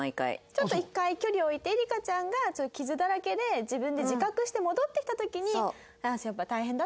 ちょっと１回距離置いてエリカちゃんが傷だらけで自分で自覚して戻ってきた時に。